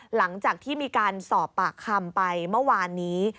หลังจากที่มีการสอบปากคำไปเมื่อวานนี้